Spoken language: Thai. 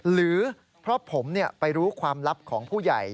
หรือเพราะผมไปรู้ความลับของผู้ใหญ่